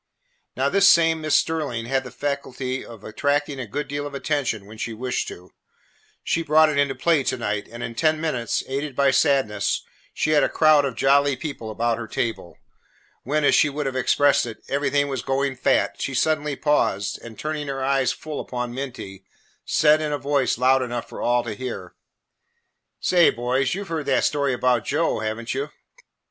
Now, this same Miss Sterling had the faculty of attracting a good deal of attention when she wished to. She brought it into play to night, and in ten minutes, aided by Sadness, she had a crowd of jolly people about her table. When, as she would have expressed it, "everything was going fat," she suddenly paused and, turning her eyes full upon Minty, said in a voice loud enough for all to hear, "Say, boys, you 've heard that story about Joe, have n't you?"